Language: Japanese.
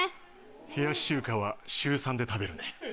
冷やし中華は週３で食べるね。